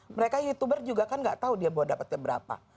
mereka youtuber juga kan nggak tahu dia bawa dapatnya berapa